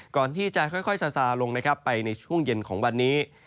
ก่อนที่จะค่อยซาซาลงไปในช่วงเย็นของวันนี้